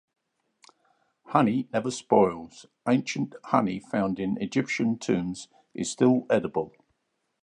Honey never spoils; ancient honey found in Egyptian tombs is still edible.